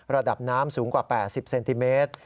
ระดับน้ำสูงกว่า๘๐เซนติเมตร